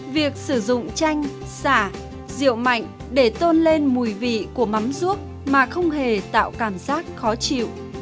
việc sử dụng chanh xả rượu mạnh để tôn lên mùi vị của mắm ruốc mà không hề tạo cảm giác khó chịu